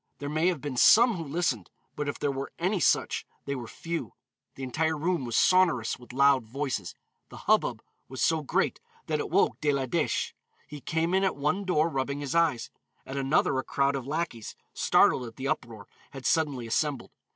There may have been some who listened, but if there were any such, they were few; the entire room was sonorous with loud voices; the hubbub was so great that it woke De la Dèche; he came in at one door rubbing his eyes; at another a crowd of lackeys, startled at the uproar, had suddenly assembled.